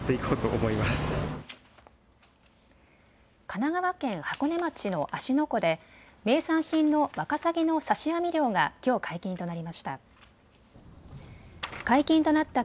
神奈川県箱根町の芦ノ湖で名産品のワカサギの刺し網漁がきょう解禁となりました。